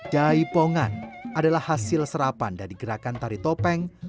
jaipongan adalah hasil serapan dari gerakan tari topeng